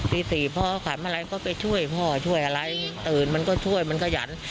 ตี๔พ่อขันอะไรก็ไปช่วยพ่อช่วยอะไรตื่นมันก็ช่วยมันขยัน